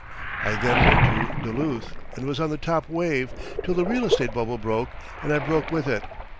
I then went to Duluth, and was on the top wave, till the real estate bubble broke, and I broke with it.